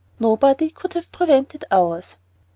Nobody could have prevented ours."